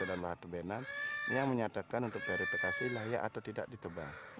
ini yang menyatakan untuk verifikasi layak atau tidak ditebang